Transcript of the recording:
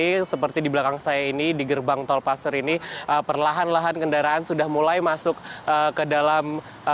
jadi seperti di belakang saya ini di gerbang tolpaster ini perlahan lahan kendaraan sudah mulai masuk ke dalam